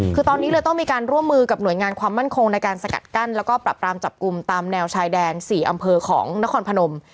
คือตอนนี้เลยต้องมีการร่วมมือกับหน่วยงานความมั่นคงในการสกัดกั้นแล้วก็ปรับรามจับกลุ่มตามแนวชายแดน๔อำเภอของนครพนม